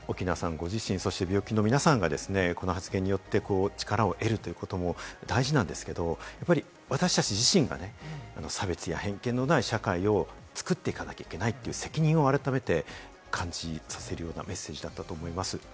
ご自身、そして病気の皆さんがこの発言によって力を得るということも大事なんですけれども、私達自身が差別や偏見のない社会を作っていかなきゃいけないという責任を改めて感じさせるようなメッセージだったと思います。